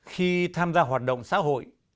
khi tham gia hoạt động xã hội